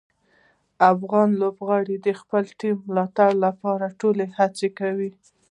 افغان لوبغاړي د خپلې ټیم د ملاتړ لپاره ټولې هڅې کوي.